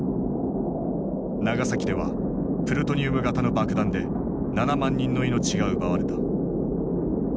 長崎ではプルトニウム型の爆弾で７万人の命が奪われた。